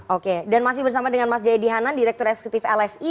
oke dan masih bersama dengan mas jaya dihanan direktur esekutif lsi